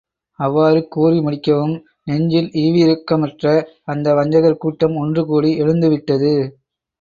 அவ்வாறு கூறி முடிக்கவும் நெஞ்சில் ஈவிரக்கமற்ற அந்த வஞ்சகர் கூட்டம் ஒன்றுகூடி எழுந்துவிட்டது.